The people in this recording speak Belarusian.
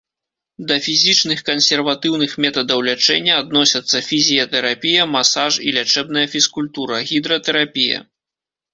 Да фізічных кансерватыўных метадаў лячэння адносяцца фізіятэрапія, масаж і лячэбная фізкультура, гідратэрапія.